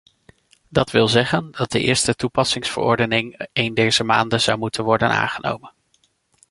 Dat wil zeggen dat de eerste toepassingsverordening een dezer maanden zou moeten worden aangenomen.